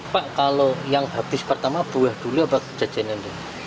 pak kalau yang habis pertama buah dulu apa jajanan